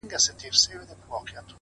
د زړه بوټى مي دی شناخته د قبرونو;